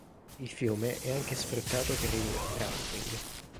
Il fiume è anche sfruttato per il "rafting".